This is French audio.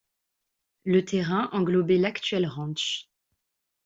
Le terrain englobait l'actuel ranch.